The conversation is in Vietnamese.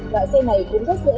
loại xe này cũng rất dễ